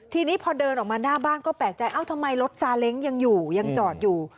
ทีนี้พอเดินออกมาหน้าบ้านก็แปลกใจเอ้าทำไมรถซาเล้งยังอยู่ยังจอดอยู่